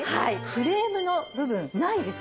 フレームの部分ないですよね